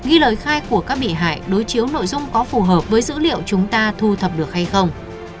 ghi lời khai của các bị hại đối chiếu nội dung có phù hợp với dữ liệu chúng ta thu thập được hay không